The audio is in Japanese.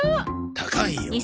高いよ。